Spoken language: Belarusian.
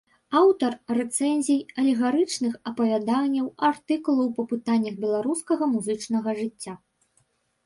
Аўтар рэцэнзій, алегарычных апавяданняў, артыкулаў па пытаннях беларускага музычнага жыцця.